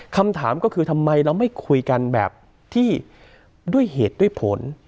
คำถามก็คือทำไมเราไม่คุยกันแบบที่ด้วยเหตุด้วยผล